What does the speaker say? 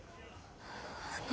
あの。